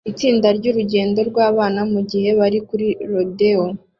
Itsinda ryurugendo rwabana mugihe bari kuri rodeo